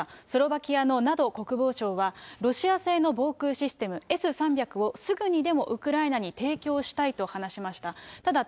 スロバキアのナド国防相はロシア製の防空システム、Ｓー３００をすぐにでもウクライナに提供したいと話しました。